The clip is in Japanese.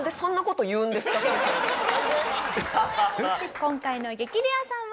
今回の激レアさんは。